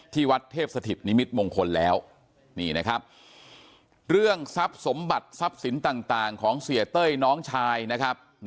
ที่วัดเทพสถิตนิมิตมงคลแล้วนี่นะครับเรื่องทรัพย์สมบัติทรัพย์สินต่างของเสียเต้ยน้องชายนะครับ